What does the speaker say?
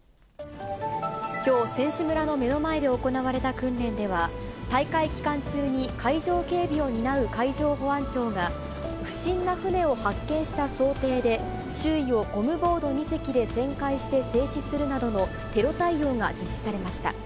きょう、選手村の目の前で行われた訓練では、大会期間中に海上警備を担う海上保安庁が、不審な船を発見した想定で、周囲をゴムボート２隻で旋回して制止するなどのテロ対応が実施されました。